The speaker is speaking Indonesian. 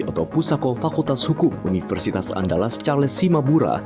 atau pusako fakultas hukum universitas andalas charles simabura